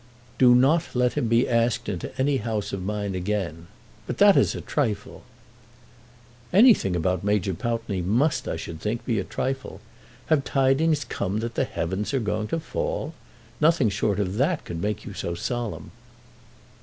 "Do not let him be asked into any house of mine again. But that is a trifle." "Anything about Major Pountney must, I should think, be a trifle. Have tidings come that the heavens are going to fall? Nothing short of that could make you so solemn."